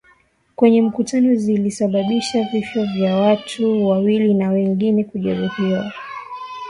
kwenye mkutano zilisababisha vifo vya watu wawili na wengine kujeruhiwa